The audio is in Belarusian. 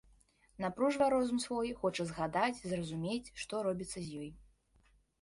Напружвае розум свой, хоча згадаць, зразумець, што робіцца з ёй.